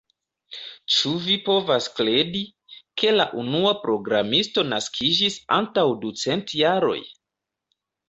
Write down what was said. Ĉu vi povas kredi, ke la unua programisto naskiĝis antaŭ ducent jaroj?